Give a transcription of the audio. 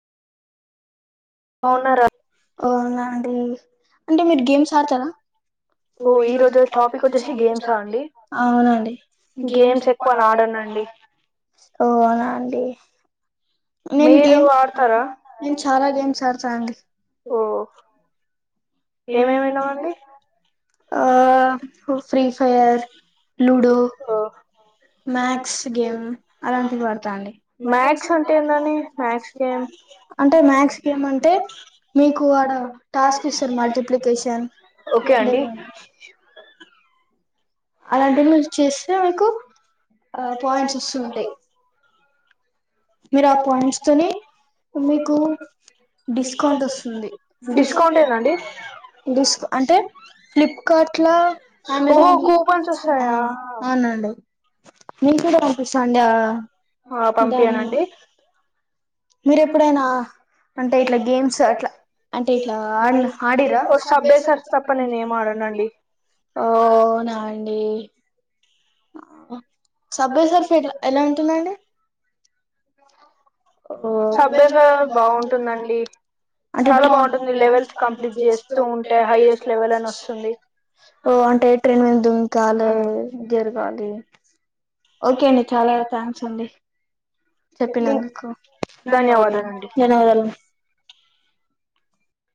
బావున్నారా ఓ ఈ రోజు టాపిక్ వచ్చేసి గేమ్స్ ఆ అండి గేమ్స్ ఎక్కువ నాడన అండి ఓ అవునాండి మీరు ఆడుతారా మేం చాలా గేమ్స్ ఆడుతాం ఓ ఏమేమైనావండి ఆ Free Fire ludo maths game అలాంటివి ఆడతానండి మాక్స్ అంటే మ్యాథ్స్ గేమ అంటే మీకు ఆడ టాస్క్ ఇస్తారు మల్టిప్లికేషన్ ఓకే అండి అలాంటి మీరు చేస్తే మీకు ఆ పాయింట్స్ వస్తుంటాయి మీరు ఆ పాయింట్స్ తోని మీకు డిస్కౌంట్ వస్తుంది డిస్ అంటే ఫ్లిప్కార్ట్ ల అమెజాన్ ఆ అవున మీకూడా పంపిస్తా అండి ఆ దాని డి మీర ఎప్పుడైనా అంటే ఇట్లా గేమ్స్ అట్లా అంటే ఇట్లా ఆ ఆడిర్రా సబ్వే సర్ఫ్ తప్ప నేనేం అడలే అవునా అండి సబ్వే సర్ఫే ఇట్లా ఎలా ఉంటుందండి సబ్వే సర్ఫేస్ బాగుంటుందిడి అంటే మే లెవెన్ కానీ చేస్తూ ఉంటే హైయెస్ట్ లెవెల్ అని వస్తుంది ఓ అంటే ట్రైన్ మింద దుంకాళి గెలవాలి ఓకే అండి చాలా థ్యాంక్స్ అండి చెప్పినందుకు ధన్యవాదాలు ధన్యవాదాలు అండి